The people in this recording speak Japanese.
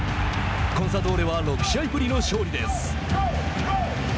コンサドーレは６試合ぶりの勝利です。